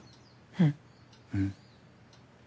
うん。